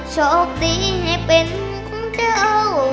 โชคดีเป็นของเจ้า